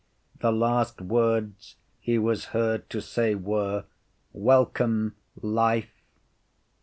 The last words he was heard to say were, Welcome, life.